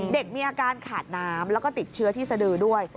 เด็กมีอาการขาดน้ำแล้วก็ติดเชื้อที่สดือด้วย